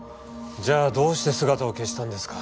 じゃあどうして姿を消したんですか？